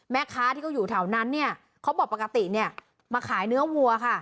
แม่ค้าที่เขาอยู่แถวนั้นเนี่ยเขาบอกปกติเนี่ยมาขายเนื้อวัวค่ะ